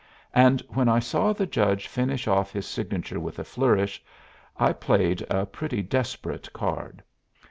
And when I saw the judge finish off his signature with a flourish, I played a pretty desperate card.